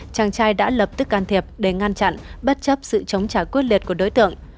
chàng trai đã lập tức can thiệp để ngăn chặn bất chấp sự chống trả quyết liệt của đối tượng